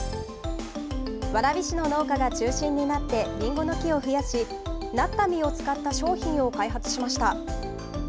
蕨市の農家が中心になって、りんごの木を増やし、なった実を使った商品を開発しました。